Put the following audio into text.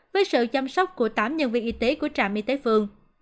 với sự chăm sóc của tám nhân viên y tế của trạm y tế phường